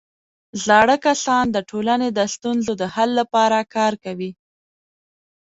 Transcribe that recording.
زاړه کسان د ټولنې د ستونزو د حل لپاره کار کوي